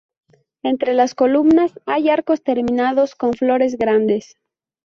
Entre las columnas hay arcos terminados con flores grandes.